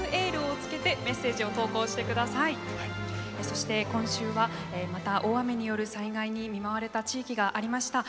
そして今週はまた大雨による災害に見舞われた地域がありました。